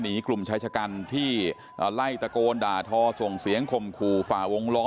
กลุ่มชายชะกันที่ไล่ตะโกนด่าทอส่งเสียงข่มขู่ฝ่าวงล้อ